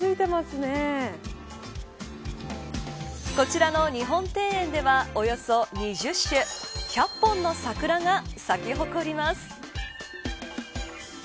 こちらの日本庭園ではおよそ２０種１００本の桜が咲き誇ります。